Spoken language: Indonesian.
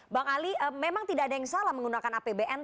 bang ali memang tidak ada yang salah menggunakan apbn